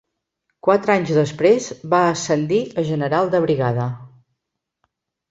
Quatre anys després va ascendir a general de brigada.